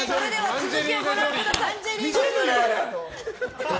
続きをご覧ください。